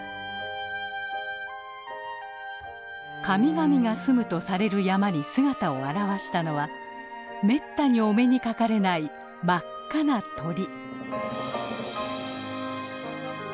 神々がすむとされる山に姿を現したのはめったにお目にかかれない真っ赤な鳥。